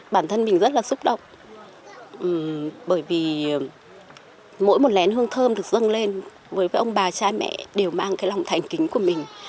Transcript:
bản thân mình rất là xúc động bởi vì mỗi một lén hương thơm được dâng lên với ông bà cha mẹ đều mang cái lòng thành kính của mình